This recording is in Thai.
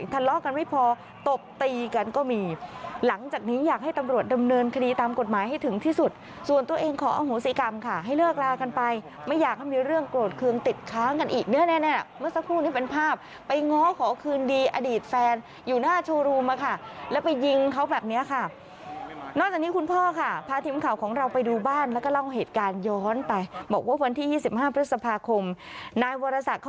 ตามกฎหมายให้ถึงที่สุดส่วนตัวเองขออาโหสิกรรมค่ะให้เลิกลากันไปไม่อยากมีเรื่องโกรธเครื่องติดค้างกันอีกเนี่ยแน่แน่เมื่อสักครู่นี้เป็นภาพไปง้อขอคืนดีอดีตแฟนอยู่หน้าโชว์รูมมาค่ะแล้วไปยิงเขาแบบเนี้ยค่ะนอกจากนี้คุณพ่อค่ะพาทีมข่าวของเราไปดูบ้านแล้วก็เล่าเหตุการณ์ย้อนไปบอกว่